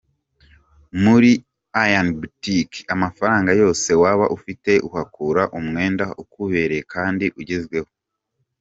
Muri Ian Boutique, amafaranga yose waba ufite uhakura umwenda ukubereye kandi ugezweho.